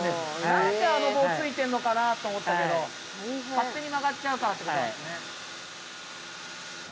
なんであの棒ついているのかと思ったけど勝手に曲がっちゃうからってことですね。